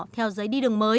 theo giấy đi đường mới